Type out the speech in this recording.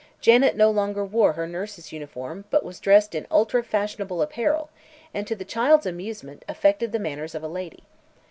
Janet no longer wore her nurse's uniform but was dressed in ultra fashionable apparel and to the child's amusement affected the manners of a lady.